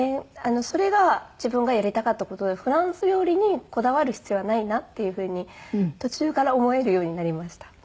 それが自分がやりたかった事でフランス料理にこだわる必要はないなっていうふうに途中から思えるようになりました。